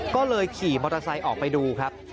ก็เลยขี่มอเตอร์ไซค์ออกไปดูครับ